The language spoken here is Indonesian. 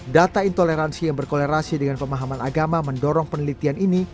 data intoleransi yang berkolerasi dengan pemahaman agama mendorong penelitian ini